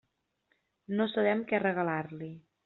No sabem què regalar-li.